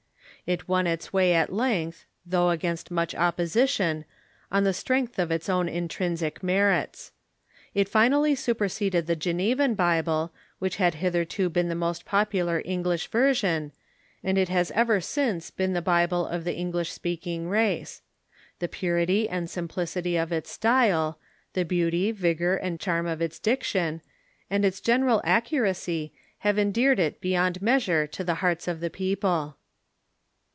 It won its way at length, though against much opposition, on the strength of its own intrinsic merits. It finally superseded the Genevan Bible, which had hitherto been THE ENGLISH CHURCH 295 the most popular English version, and it has ever since been the Bible of the English speaking race. The purity and sim plicity of its style, the beauty, vigor, and charm of its diction, and its general accuracy, have endeared it beyond measure to the hearts of the people.